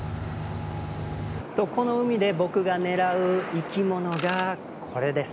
この海で僕が狙う生き物がこれです。